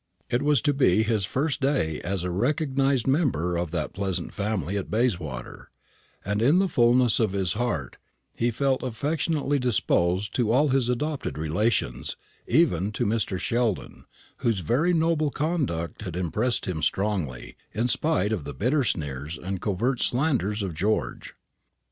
It was to be his first day as a recognised member of that pleasant family at Bayswater; and in the fulness of his heart he felt affectionately disposed to all his adopted relations; even to Mr. Sheldon, whose very noble conduct had impressed him strongly, in spite of the bitter sneers and covert slanders of George.